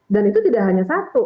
dan itu tidak hanya satu